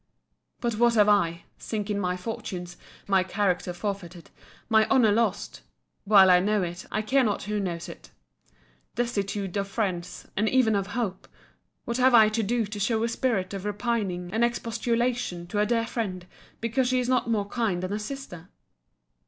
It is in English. But what have I, sink in my fortunes; my character forfeited; my honour lost, [while I know it, I care not who knows it;] destitute of friends, and even of hope; what have I to do to show a spirit of repining and expostulation to a dear friend, because she is not more kind than a sister?